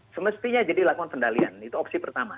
semestinya jadi lakukan pendalian itu opsi pertama